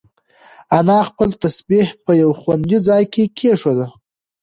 انا خپل تسبیح په یو خوندي ځای کې کېښوده.